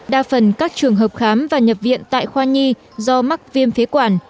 đa phần các trường hợp khám và nhập viện tại khoa nhi do mắc viêm phế quản